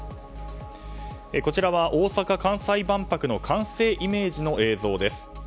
こちらは大阪・関西万博の完成のイメージの映像です。